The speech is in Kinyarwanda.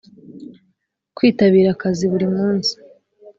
kwitabira akazi buri munsi